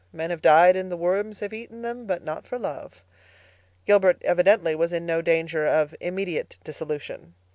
Men have died and the worms have eaten them but not for love. Gilbert evidently was in no danger of immediate dissolution.